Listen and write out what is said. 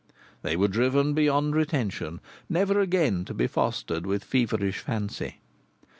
They were driven beyond retention, never again to be fostered with feverish fancy.